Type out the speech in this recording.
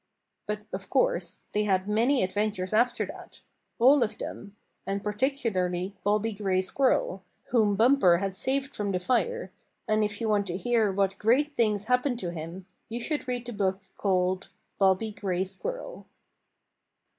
But of course they had many adventures after that all of them and particularly Bobby Gray Squirrel, whom Bumper had saved from the fire, and if you want to hear what great things happened to him you should read the book called "Bobby Gray Squirrel."